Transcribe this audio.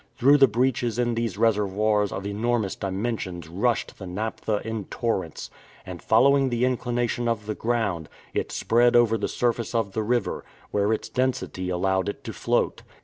Through the breaches in these reservoirs of enormous dimensions rushed the naphtha in torrents, and, following the inclination of the ground, it spread over the surface of the river, where its density allowed it to float.